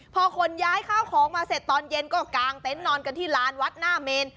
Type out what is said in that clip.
พอคนย้ายข้าวของมาเสร็จตอนเย็นก็กางเต็นต์นอนกันที่ลานวัดหน้าเมน